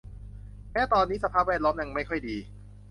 แม้ตอนนี้สภาพแวดล้อมยังไม่ค่อยดี